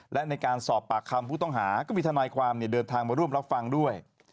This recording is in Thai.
และในการสอบปากคำผู้ต้องหาก็มีทนายความเดินทางมาร่วมรับฟังด้วย